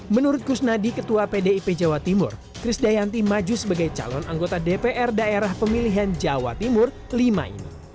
menurut kusnadi ketua pdip jawa timur kris dayanti maju sebagai calon anggota dpr daerah pemilihan jawa timur lima ini